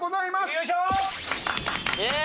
よいしょー！